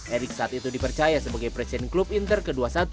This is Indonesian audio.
erick saat itu dipercaya sebagai presiden klub inter ke dua puluh satu